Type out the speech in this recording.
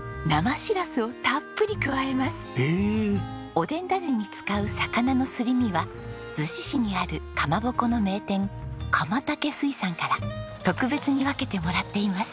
おでんだねに使う魚のすり身は子市にあるかまぼこの名店かまたけ水産から特別に分けてもらっています。